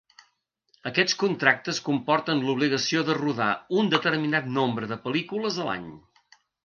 Aquests contractes comporten l'obligació de rodar un determinat nombre de pel·lícules a l'any.